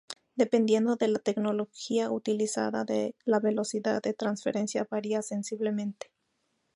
Dependiendo de la tecnología utilizada, la velocidad de transferencia varía sensiblemente.